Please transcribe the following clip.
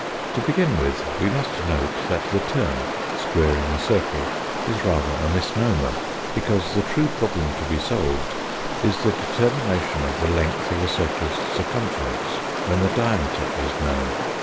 To begin with, we must note that the term 'squaring the circle' is rather a misnomer; because the true problem to be solved is the determination of the length of a circle's circumference when the diameter is known.